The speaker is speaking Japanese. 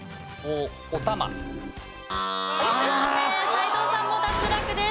斎藤さんも脱落です。